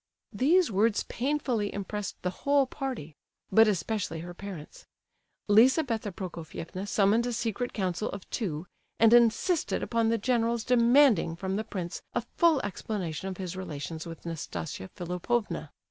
These words painfully impressed the whole party; but especially her parents. Lizabetha Prokofievna summoned a secret council of two, and insisted upon the general's demanding from the prince a full explanation of his relations with Nastasia Philipovna.